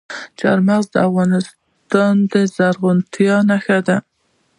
چار مغز د افغانستان د زرغونتیا نښه ده.